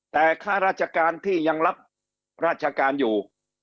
แต่ข้าราชการที่ยังรับราชการอยู่